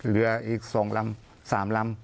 เรืออีกสองลำสามลำ